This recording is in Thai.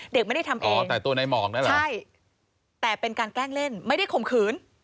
เด็กไม่ได้ทำเองใช่แต่เป็นการแกล้งเล่นไม่ได้ข่มขืน